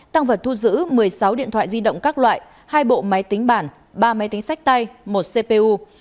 tăng vật thu giữ một mươi sáu điện thoại di động các loại hai bộ máy tính bản ba máy tính sách tay một cpu